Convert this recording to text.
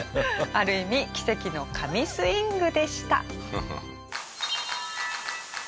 ある意味奇跡の神スイングでした。